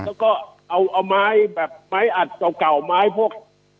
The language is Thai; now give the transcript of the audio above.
แล้วก็เอาไม้แบบไม้อัดเก่าไม้พวก